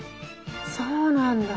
そうなんだ。